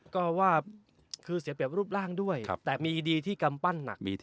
ก็ว่าคือเสียเปรียบรูปร่างด้วยแต่มีดีที่กำปั้นหนัก